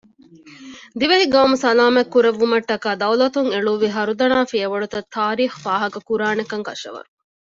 ދިވެހި ޤައުމު ސަލާމަތް ކުރެއްވުމަށްޓަކައި ދައުލަތުން އެޅުއްވި ހަރުދަނާ ފިޔަވަޅުތައް ތާރީޚް ފާހަގަކުރާނެކަން ކަށަވަރު